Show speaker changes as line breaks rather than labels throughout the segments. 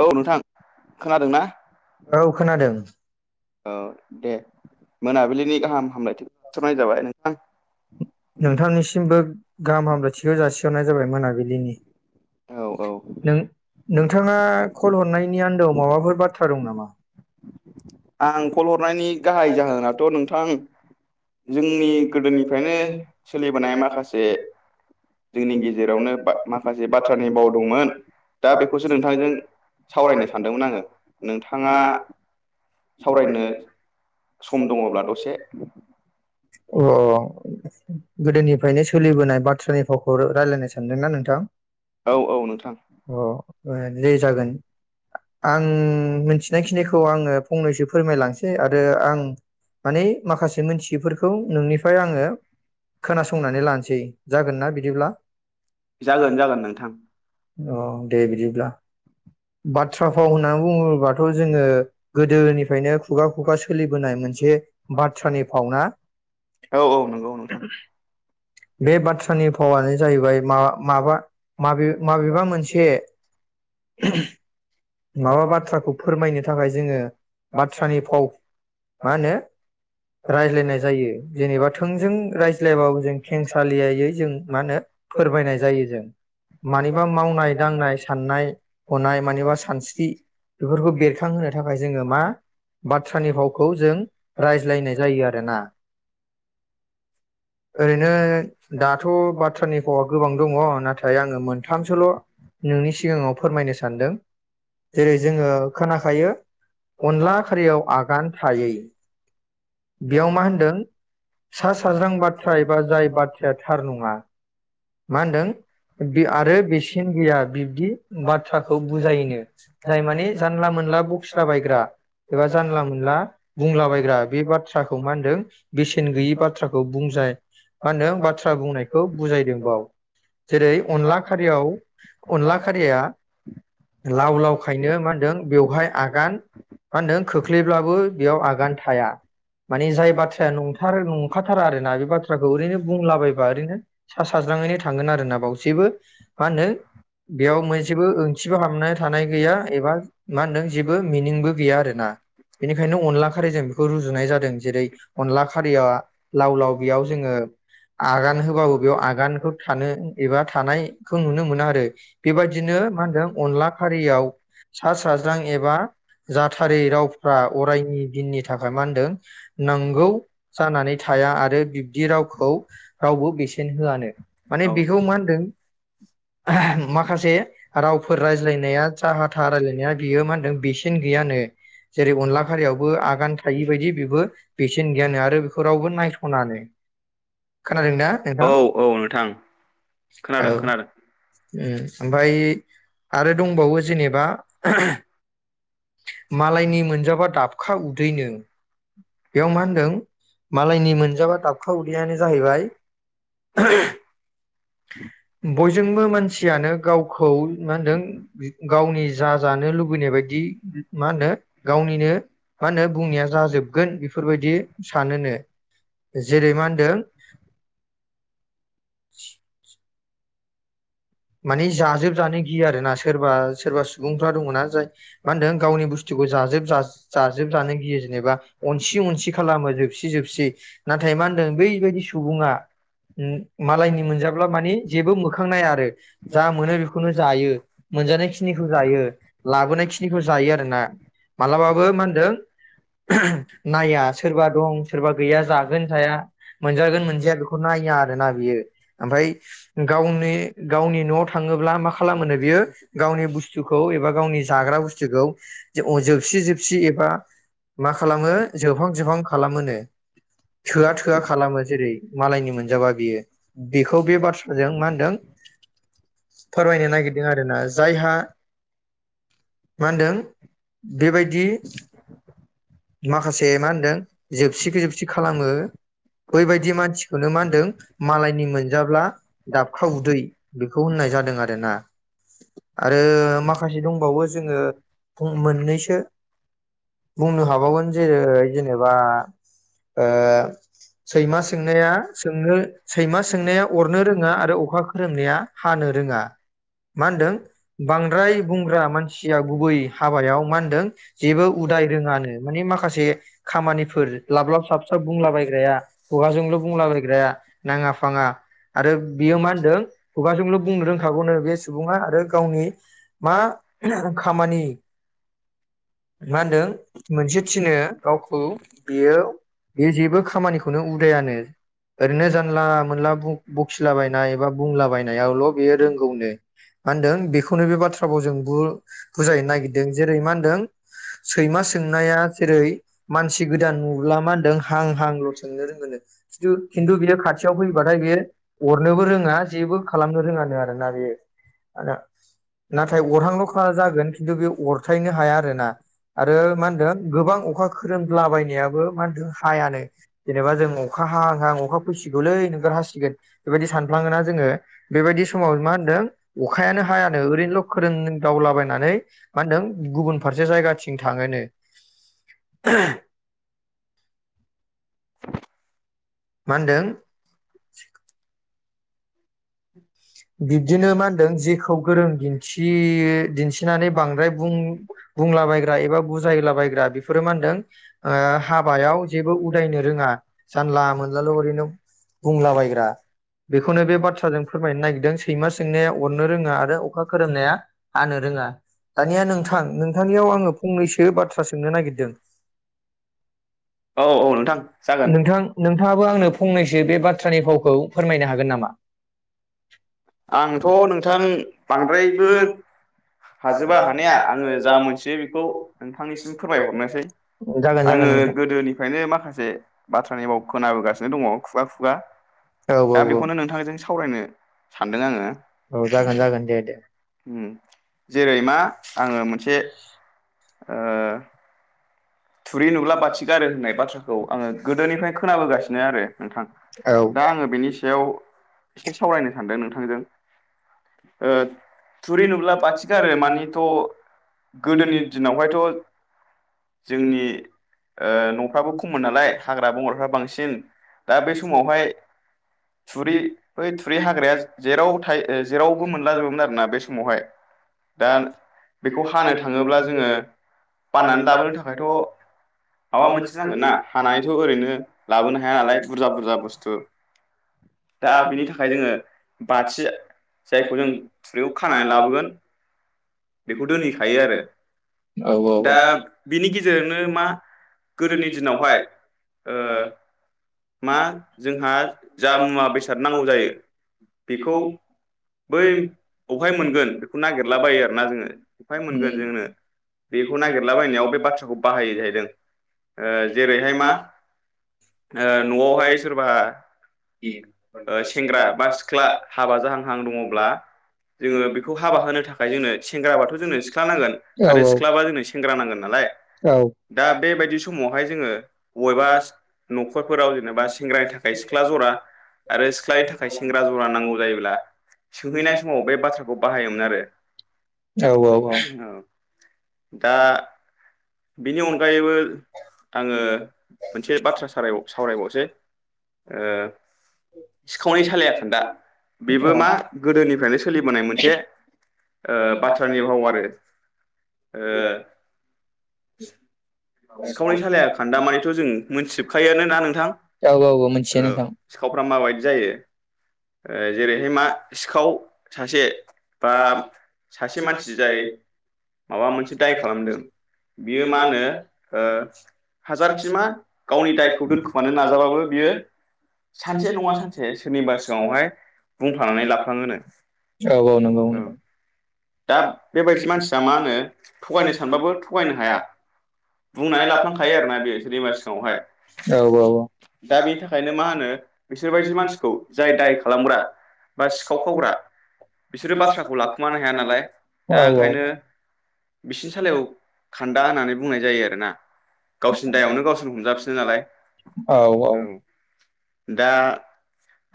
औ नोंथां खोनादों ना
औ खोनादों
औ दे मोनाबिलिनि गाहाम हामलायथि थनाय जाबाय नों [unintelligible]
नोंथांनिसिमबो गाहाम हामलायथिखौ जासिहरनाय जाबाय मोनाबिलिनि नों नोंथाङा कल हरनायनि आन्दोआव माबाफोर बाथ्रा दं नामा?
आं कल हरनायनि गाहाय जाहोनाथ' नोंथां जोंनि गोदोनिफ्रायनो सोलिबोनाय माखासे जोंनि गेजेरावनो बा माखासे बाथ्रानि बावदोंमोन दा बेखौसो नोंथांजों सावरायनो सानदोंमोन आङो नोंथाङा सावरायनो सम दङब्ला दसे
अ गोदोनिफ्रायनो सोलिबोनाय बाथ्रानि फावखौ रायलायनो सानदोंना नोंथां? अ ओ दे जागोन। आं मिनथिनायखिनिखौ आङो फंनैसो फोरमायलांसि दे आरो आं माने माखासे मोनथियैफोरखौ औ नोंनिफ्राय आङो खोनासंनानै लानोसै जागोन ना बिदिब्ला? जागोन जागोन। ओ दे बिदिब्ला बाथ्रा फाव होनना बुङोबाथ' जोङो गोदोनिफ्रायनो खुगा खुगा सोलिबोनाय मोनसे बाथ्रानि फाव ना
औ औ नंगौ नोंथां।
बे बाथ्रानि फावानो जाहैबाय माबा माबा माबे-माबेबा मोनसे माबा बाथ्राखौ फोरमायनो थाखाय जोङो बाथ्रानि फाव मा होनो रायज्लायनाय जायो जेनेबा थोंजों रायज्लायाबाबो जों खेंसालियायै जों मा होनो फोरमायनाय जायो जों मानिबा मावनाय दांनाय साननाय हनाय मानिबा सा स्रि बेफोरखौ बेरखांहोनो थाखाय जोङो मा बाथ्रानि फावखौ जों रायज्लायनाय जायो आरोना
ओरैनो दाथ' बाथ्रानि फावआ गोबां दंङ नाथाय आङो मोनथामसोल' नोंनि सिगाङाव फोरमायनो सानदों
जेरै जोङो खोनाखायो अनला खारियाव आगान थायै। बेयाव मा होनदों सा साज्रां बाथ्रा एबा जाय बाथ्राया थार नङा मा होनदों बे आरो बेसेन गैया बिब्दि बाथ्राखौ बुजायनो जाय माने जानला मोनला बखिला बायग्रा एबा जानला मोनला बुंलाबायग्रा बे बाथ थ्राखौ मा होनदों बेसेन गैयि बाथ्राखौ बुंजाय मा होनदों बाथ्रा बुंनायखौ बुजायदों बाव जेरै अनला खारियाव अनला खारिया लाव लाव खायनो मा होनदों बेवहाय आगान मा होनदों खोख्लैब्लाबो बेयाव आगान थाया माने जाय बाथ्राया नंथारो नंखाथारा आरोना बे बाथ्राखौ ओरैनो बुंलाबायबा ओरैनो सा साज्राङैनो थांगोन आरोना बाव जेबो मा होनो बेयाव मोनसेबो ओंथिबो हाबनाय थानाय गैया एबा मा होनदों जेबो मिनिंबो गैया आरोना बेनिखायनो अनला खारैजों बेखौ रुजुनाय जादों। जेरै अनला खारिया लाव लाव बेयाव जोङो आगान होबाबो बेयाव आगानखौ थानो एबा थानायखौ नुनो मोना आरो बेबायदिनो मा होनदों अनला हारियाव सा साज्रां एबा जाथारै रावफ्रा अरायनि दिननि थाखाय मा होनदों नांगौ जानानै थाया आरो बिब्दि रावखौ रावबो बेसेन होआनो माने बेखौ मा होनदों माखासे रावफोर रायज रायलायनाया जाहा थाहा रायलायनाया बियो मा होनदों बेसेन गैयानो जेरै अनला खारियावबो आगान थायि बायदि बेबो
औ औ नोंथां खोनादों
ओम ओमफाय आरो दंबावो जेनेबा मालायनि मोनजाबा दाबखा उदैनो बेयाव मा होनदों मालायनि मोनजाबा दाबखा उदैयानो जाहैबाय बयजोंबो मानसियानो गावखौ मा होनदों गावनि जाजानो लुबैनाय बायदि मा होनो गावनिनो मा होनो बुंनाया जाजोबगोन बेफोरबायदि सानोनो जेरै मा होनदों मानि जाजोबजानो गियो आरोना सोरबा सोरबा सुबुंफ्रा दङ ना जाय मा होनदों गावनि बुस्थुखौ जाजोब जाजोबजानो गियो जेनेबा अनसि अनसि खालामो जोबसि जोबसि नाथाय मा होनदों बैबायदि सुबुङा मालायनि मोनजाब्ला माने जेबो मोखांनाया आरो जा मोनो बेखौनो जायो मोनजानाय खिनिखौ जायो लाबोनाय खिनिखौ जायो आरोना मालाबाबो मा होनदों नाया सोरबा दं सोरबा गैया जागोन जाया मोनजागोन मोनजाया बेखौ नाया आरोना बियो ओमफ्राय गावनि गावनि नआव थाङोब्ला मा खालामोनो बियो गावनि बुस्थुखौ एबा गावनि जाग्रा बुस्थुखौ जोबसि जोबसि एबा मा खालामो जोबहां जोबहां खालामोनो थोआ थोआ खालामो जेरै मालायनि मोनजाबा बियो बेखौ बे बाथ्राजों मा होनदों फोरमायनो नागिरदों आरोना जायहा मा होनदों बेबायदि माखासे मा होनदों जोबसि जोबसि खालामो बैबायदि मानसिखौनो मा होनदों मालायनि मोनजाब्ला दाबखा उदै बेखौ होननाय जादों आरोना आरो माखासे दंबावो जोङो मोननैसो बुंनो हाबाय मोनबावगोन जेरै जेनेबा ओ सैमा सोंनाया सोंनो सैमा सोंनाया अरनो रोङा आरो अखा खोरोमनाया हानो रोङा मा होनदों। बांद्राय बुंग्रा मानसिया गुबै हाबायाव मा होनदों जेबो उदाय रोङानो। माने माखासे खामानिफोर लाब लाब साब साब बुंलाबायग्राया खुगाजोंल बुंलाबायग्राया नाङा फाङा आरो बियो मा होनदों खुगाजोंल बुंनो रोंखागौनो बे सुबुङा आरो गावनि मा खामानि मा होनदों मोनसे थिनो गावखौ बेयो बेयो जेबो खामानिखौनो उदायानो ओरैनो जानला मोनला बखिलाबायनाय बा बुंलाबायनायावल बेयो रोंगौनो मा होनदों बेखौनो बे बाथ्रा फावजोंबो बुजायनो नागिरदों जेरै मा होनदों।
सैमा सों
सैमाया जेरै मानसि गोदान नुब्ला मा होनदों हां हांल सोंनो रोंगोनो खिथु खिन्थु बियो खाथियाव फैबाथाय बियो अरनोबो रोङा जेबो खालामनो रोङानो आरोना बेयो। नाथाय अरहांलखा जागोन खिन्थु बे अरथायनो हाया आरोना आरो मा होनदों मा होनदों गोबां अखा खोरोमलाबायनायाबो मा होनदों हायानो जेनेबा जों अखा हाहां हाहां अखा फैसिगौलै नोंगौ हासिगोन बेबायदि सानफ्लाङोना जोङो बेबायदि समाव मा होनदों अखायानो हायानो। ओरैनोल फोरोमदावलाबायनानै मा होनदों गुबुन फारसे जायगाथिं थाङोनो। ओह मा होनदों बिबदिनो मा होनदों जेखौ गोरों दिन्थियो दिन्थिनानै बांद्राय बुंलाबायग्रा एबा बुजायलाबायग्रा बेफोरो मा होनदों हाबायाव जेबो उदायनो रोङा जानला मोनलाल ओरैनो बुंलाबायग्रा बेखौनो बे बाथ्रा [unintelligible] फोरमायनो नागिरदों। सैमा सोंनाया अरनो रोङा आरो अखा खोरोमनाया हानो रोङा दानिया नोंथां नोंथांनियाव आङो फंनैसो बाथ्रा सोंनो नागिरदों।
औ औ नोंथां जागोन।
खौ आंनो फंनैसो बे बाथ्रानि फावखौ फोरमायनो हागोन नामा?
आंथ नोंथां बांद्रायबो हाजोबा हानाया आङो जा मोनथियो बेखौ नोंथांनिसिम फोरमायहरनोसै आङो गोदोनिफ्रायनो माखासे बाथ्रा [unintelligible] खोनाबोगासिनो दङ खुगा खुगा दा बेखौनो नोंथांजों सा सावरायनो सानदों आङो
औ जागोन जागोन दे दे।
उम जेरै मा आङो मोनसे ओ थुरि नुब्ला बाथि गारो होननाय बाथ्राखौ आङो गोदोनिफ्रायनो खोनाबोगासिनो आरो नोंथां दा आङो बेनि सायाव इसे सावरायनो सानदों नोंथांजों ओ थुरि नुब्ला बाथि गारो मानेथ गोदोनि दिनावहायथ जोंनि ओ नफ्राबो खममोन नालाय हाग्रा बंग्राफ्रा बांसिन दा बै समावहाय थुरि बै थुरि हाग्राया जेराव था जेराव मोनला जोबोमोन आरोना बे समावहाय दा बेखौ हानो थाङोब्ला जोङो बाननानै लाबोनो थाखाय थ माबा मोनसे नांगोन ना हानानैथ ओरैनो लाबोनो हाया नालाय बुरजा बुरजा बुस्थु दा बिनि थाखाय जोङो बाथि जायखौ जों थुरियाव खानानै लाबोगोन बेखौ दोनहैखायो आरो दा बिनि गेजेरजोंनो मा गोदोनि दिनावहाय ओ मा जोंहा जा मुवा बेसाद नांगौ जायो बेखौ बै अहाय मोनगोन बेखौ नागिरलाबायो आरो अहाय मोनगोन जोंनो बेखौ नागिरलाबायनायाव बे बाथ्राखौ बाहायो जाहैदों जेरैहाय मा ओ नआवहाय सोरबा सेंग्रा बा सिख्ला हाबा जाहां हां दङब्ला जोङो बेखौ हाबा होनो थाखाय जोंनो सेंग्राबाथ जोंनो सिख्ला नांगोन आरो सिख्लाबा जोंनो सेंग्रा नांगोन नालाय दा बेबायदि समावहाय जोङो बबेबा नखरफोराव जेनेबा सेंग्रानि थाखाय सिख्ला जरा आरो सिख्लानि थाखाय सेंग्रा जरा नांगौ जायोब्ला सोंहैनाय समाव बे बाथ्राखौ बाहायोमोन आरो
औ औ औ
दा बिनि अनगायैबो आङो मोनसे बाथ्रा सारा सावरायबावसै ओ सिखावनि सालाया खानदा बेबो मा गोदोनिफ्रायनो सोलिबोनाय मोनसे ओ बाथ्रानि भाव आरो ओ सिखावनि सालाया खान्दा मानिथ जों मोनथिजोबखायोना नोंथां ओ सिखावफ्रा माबायदि जायो। ओ जेरैहाय मा सिखाव सासे बा सासे मानसि जाय माबा मोनसे दाय खालामदों बियो मा होनो ओ हाजारखि मा गावनि दायखौ दोनखोमानो नाजाबाबो बियो सानसे नङा सानसे सोरनिबा सिगाङावहाय बुंफ्लांनानै लाफ्लाङोनो औ। दा बेबायदि मानसिया मा होनो थगायनो सानबाबो थगायनो हाया।
बुंनानै लाफांखायो आरोना बेयो दैमा सिगाङावहाय औ औ दा बेनि थाखायनो मा होनो बिसोरबायदि मानसिखौ जाय दाय खालामग्रा बा सिखाव खावग्रा बिसोरो बसा खालाम [inaudible]
बिसिनि सालायखौ खान्दा होननानै बुंनाय जायो आरो ना गावसिनि दायावनो गावसोरनो हमजाफिनो नालाय औ। दा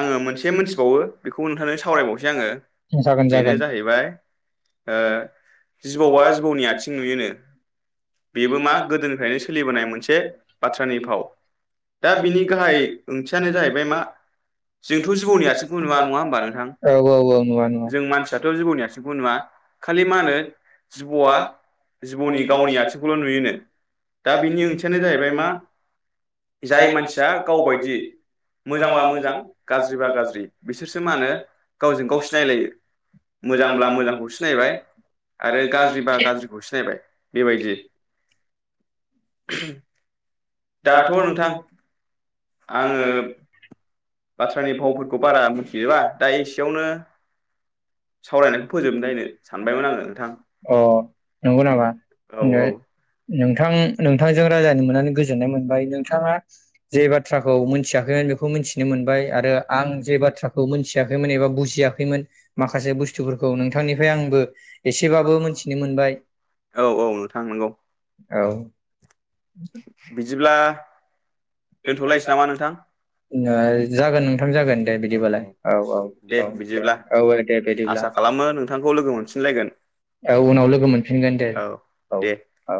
आङो मोनसे मोनथिबावो बेखौ नोंथांनानै सावरायबावसै आङो बेनो जाहैबाय ओ जिबौआ जिबौनि आथिं नुयोनो।
बेबो मा गोदोनिफ्रायनो सोलिबोनाय मोनसे बाथ्रानि भाव दा बिनि थाखाय ओंथियानो जाहैबाय मा जोंथ जिबौनि आथिंखौ नुवा नङा होनबा नोंथां औ औ नुवा नुवा जों मानसि
मा खालि मा होनो जिबौआ जिबौनि गावनि आथिंखौ
[unintelligible] दा बिनि ओंथियानो जाहैबाय मा
जाय मानसिया गावबायदि मोजांबा मोजां गाज्रिबा गाज्रि बिसोरसो मा होनो गावजों गाव सिनायलायो मोजांब्ला मोजांखौ सिनायबाय आरो गाज्रि बा गाज्रिखौ सिनायबाय बेबायदि। [inaudible]
दाथ नोंथां।
आङो बाथ्रानि भावफोरखौ बारा मिथिजोबा दा एसेयावनो।
अ नंगौ नामा? [unintelligible] नोंथां नोंथांजों रायलायनो मोननानै गोजोननाय मोनबाय नोंथाङा। जे बाथ्राखौ मोनथियाखैमोन बेखौ मोनथि नो मोनबाय आ आरो आं जे बाथ्रा खौ मोनथियाखैमोन एबा बुजयाखैमोन माखा खासे बुस्थुफोरखौ नोंथांनिफ्राय आंबो
औ औ नोंथां नंगौ।
औ।
बिदिब्ला
[unintelligible] जागोन जागोन दे बिदिबालाय औ औ औ औ औ दे दे बिदिब्ला। औ उनाव लोगो मोनफिनगोन दे औ औ।